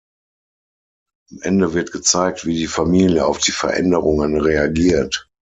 Am Ende wird gezeigt, wie die Familie auf die Veränderungen reagiert.